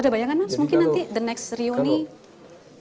ada bayangan mas mungkin nanti the next rioni jadi kalau